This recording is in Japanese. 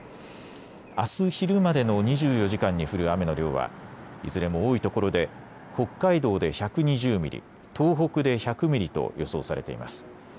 あす昼までの２４時間に降る雨の量はいずれも多いところで北海道で１２０ミリ、東北で１００ミリと予想されています。